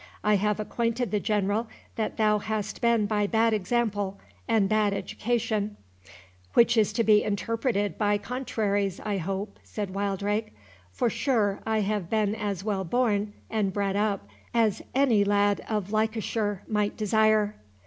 I have acquainted the General that thou hast been by bad example and bad education"— "Which is to be interpreted by contraries, I hope," said Wildrake; "for sure I have been as well born and bred up as any lad of Leicestershire might desire."